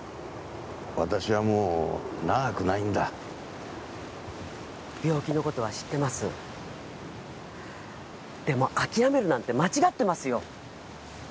私はもう長くないんだ病気のことは知ってますでも諦めるなんて間違ってますよ